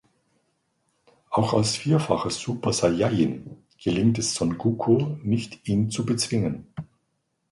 Auch als vierfacher Super-Saiyajin gelingt es Son Goku nicht, ihn zu bezwingen.